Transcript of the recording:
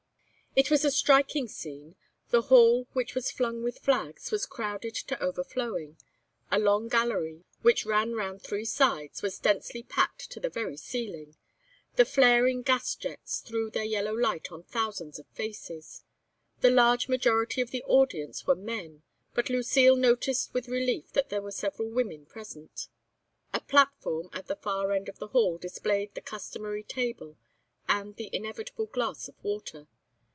It was a striking scene. The hall, which was hung with flags, was crowded to overflowing; a long gallery, which ran round three sides, was densely packed to the very ceiling; the flaring gas jets threw their yellow light on thousands of faces. The large majority of the audience were men, but Lucile noticed with relief that there were several women present. A platform at the far end of the hall displayed the customary table and the inevitable glass of water.